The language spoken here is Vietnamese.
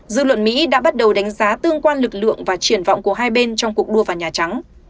dư luận mỹ đã bắt đầu đánh giá tương quan lực lượng và triển vọng của hai bên trong cuộc đua vào nhà trắng